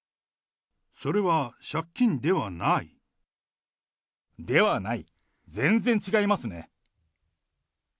それは借金ではない？ではない、全然違いますね。